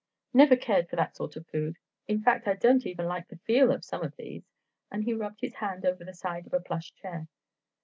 "Never cared for that sort of food. In fact I don't even like the feel of some of these," and he rubbed his hand over the side of a plush chair.